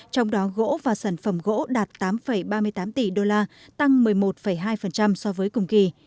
trong đó gỗ và sản phẩm gỗ đạt tám ba mươi tám tỷ đô la tăng một mươi một hai so với cùng kỳ